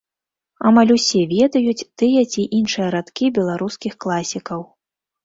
Амаль усе ведаюць тыя ці іншыя радкі беларускіх класікаў.